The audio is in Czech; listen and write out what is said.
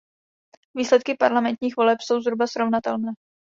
Výsledky parlamentních voleb jsou zhruba srovnatelné.